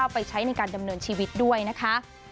ไปใช้ในการดำเนินชีวิตด้วยนะคะ